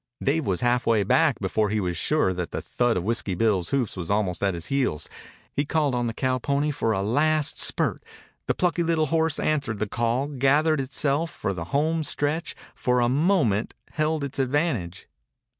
Dave was halfway back before he was sure that the thud of Whiskey Bill's hoofs was almost at his heels. He called on the cowpony for a last spurt. The plucky little horse answered the call, gathered itself for the home stretch, for a moment held its advantage.